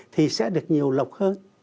thì sẽ được nhiều lộc hơn